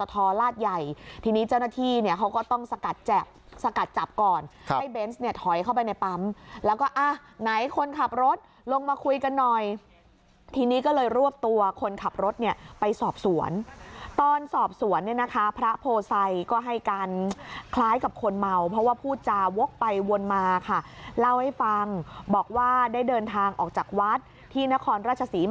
ตทลาดใหญ่ทีนี้เจ้าหน้าที่เนี่ยเขาก็ต้องสกัดจับสกัดจับก่อนให้เบนส์เนี่ยถอยเข้าไปในปั๊มแล้วก็อ่ะไหนคนขับรถลงมาคุยกันหน่อยทีนี้ก็เลยรวบตัวคนขับรถเนี่ยไปสอบสวนตอนสอบสวนเนี่ยนะคะพระโพไซก็ให้การคล้ายกับคนเมาเพราะว่าพูดจาวกไปวนมาค่ะเล่าให้ฟังบอกว่าได้เดินทางออกจากวัดที่นครราชศรีมา